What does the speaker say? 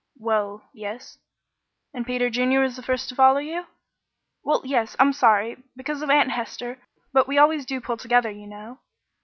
"Well yes." "And Peter Junior was the first to follow you?" "Well, yes! I'm sorry because of Aunt Hester but we always do pull together, you know.